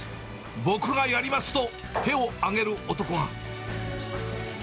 僕がやりますと手を挙げる男が。